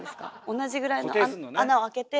同じぐらいの穴をあけて。